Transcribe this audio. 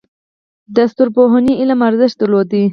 د ستورپوهنې علم ارزښت درلود